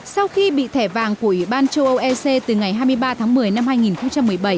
sau khi bị thẻ vàng của ủy ban châu âu ec từ ngày hai mươi ba tháng một mươi năm hai nghìn một mươi bảy